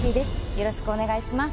よろしくお願いします